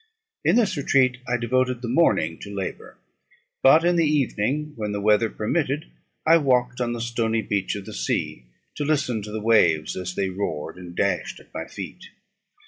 In this retreat I devoted the morning to labour; but in the evening, when the weather permitted, I walked on the stony beach of the sea, to listen to the waves as they roared and dashed at my feet.